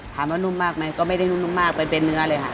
นุ่มมากไหมก็ไม่ได้นุ่มมากไปเป็นเนื้อเลยค่ะ